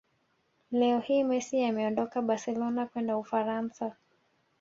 Leo hii Messi ameondoka barcelona kwenda Ufaransa